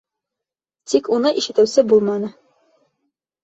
Тик уны ишетеүсе булманы.